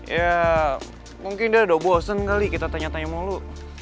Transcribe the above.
ya mungkin dia udah bosen kali kita tanya tanya malu